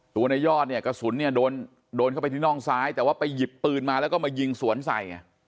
ในยอดเนี่ยกระสุนเนี่ยโดนเข้าไปที่น่องซ้ายแต่ว่าไปหยิบปืนมาแล้วก็มายิงสวนใส่ไง